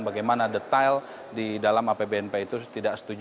bagaimana detail di dalam apbnp itu tidak setuju